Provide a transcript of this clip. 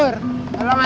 lisik ya mas